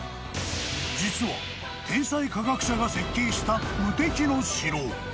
実は、天才科学者が設計した無敵の城。